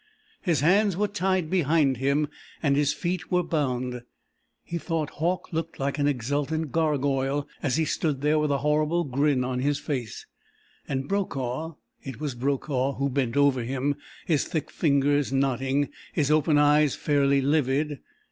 His hands were tied behind him, and his feet were bound. He thought Hauck looked like an exultant gargoyle as he stood there with a horrible grin on his face, and Brokaw.... It was Brokaw who bent over him, his thick fingers knotting, his open eyes fairly livid.